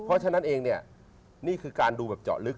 เพราะฉะนั้นเองเนี่ยนี่คือการดูแบบเจาะลึก